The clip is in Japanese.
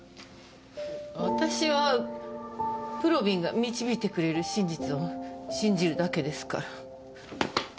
私はぷろびんが導いてくれる真実を信じるだけですから。